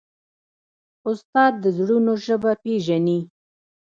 استاد د زړونو ژبه پېژني.